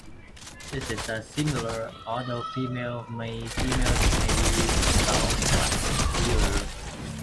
Sexes are similar, although females may be somewhat paler.